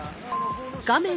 画面